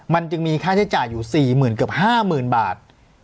มันจึงมีค่าใช้จ่ายอยู่๔๐๐๐เกือบ๕๐๐๐บาท